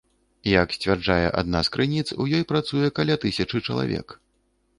Як сцвярджае адна з крыніц, у ёй працуе каля тысячы чалавек.